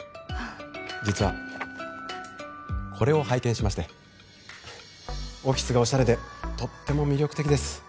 実はこれを拝見しましてオフィスがオシャレでとっても魅力的です